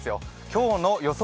今日の予想